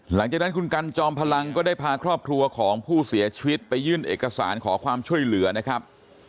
หลังจากนั้นคุณกันจอมพลังก็ได้พาครอบครัวของผู้เสียชีวิตไปยื่นเอกสารขอความช่วยเหลือนะครับ